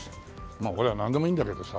まあ俺はなんでもいいんだけどさ。